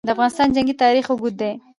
د افغانستان جنګي تاریخ اوږد دی.